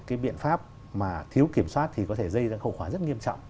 cái biện pháp mà thiếu kiểm soát thì có thể dây ra khẩu khóa rất nghiêm trọng